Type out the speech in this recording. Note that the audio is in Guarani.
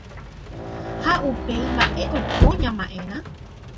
ha upéi mba’e oiko ña ma’érã